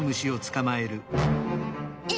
え？